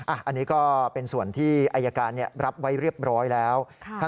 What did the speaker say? อันนี้ก็เป็นส่วนที่อายการรับไว้เรียบร้อยแล้ว